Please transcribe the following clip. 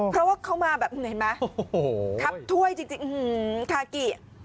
เพราะว่าเข้ามาแบบมึงเห็นไหมครับถ้วยจริงอื้อหือคากิ